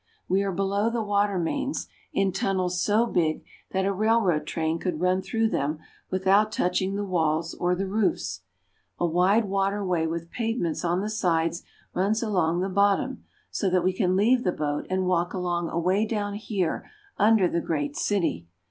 We are below the water mains, in tunnels so big that a railroad train could run through them without touching the walls or the roofs. A wide water way with pavements on the sides runs along the bottom, so that we can leave the boat and walk along away down here under the great city.